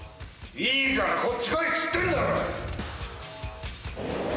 ・いいからこっち来いっつってんだろ！